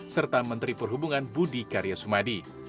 serta menteri perhubungan budi karya sumadi